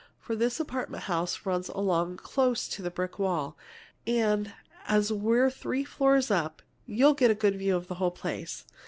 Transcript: For this apartment house runs along close to the brick wall, and as we're three floors up, you get a good view of the whole place.